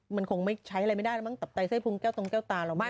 มันคงใช้อะไรไม่ได้ตับไทยไส้พุงแก้วตรงแก้วตลาด